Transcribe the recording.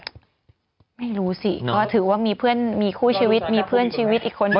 ก็ถือว่ามีเพื่อนมีคู่ชีวิตมีเพื่อนชีวิตอีกคนนั้น